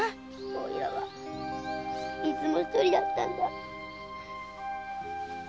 おいらはいつも独りだったんだ。